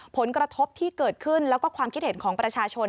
ผลกระทบที่เกิดขึ้นแล้วก็ความคิดเห็นของประชาชน